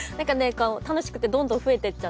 楽しくてどんどんふえていっちゃって。